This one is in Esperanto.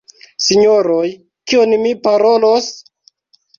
Sinjoroj; kion mi parolos?